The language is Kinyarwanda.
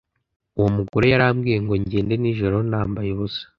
uwo mugore yarambwiye ngo ngende nijoro nambaye ubusa